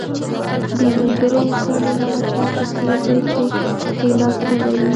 بې ملګري انسان د هغه چا په څېر دی چې ښی لاس نه لري.